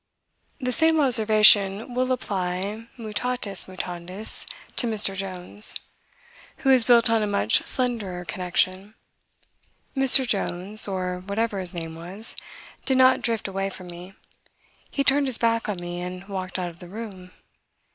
The same observation will apply mutatis mutandis to Mr. Jones, who is built on a much slenderer connection. Mr. Jones (or whatever his name was) did not drift away from me. He turned his back on me and walked out of the room.